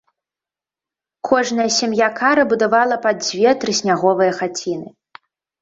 Кожная сям'я кара будавала па дзве трысняговыя хаціны.